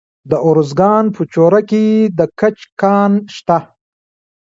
د ارزګان په چوره کې د ګچ کان شته.